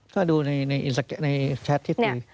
ก็ดูในแชทที่คุย